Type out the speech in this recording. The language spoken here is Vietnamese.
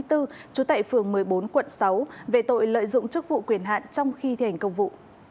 trú tại phường một mươi bốn quận sáu về tội lợi dụng chức vụ quyền hạn trong khi thi hành công vụ